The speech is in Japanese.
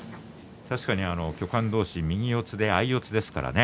確かに巨漢同士右四つで相四つですからね。